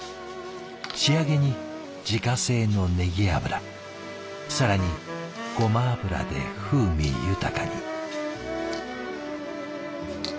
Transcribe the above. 仕上げに自家製のネギ油更にゴマ油で風味豊かに。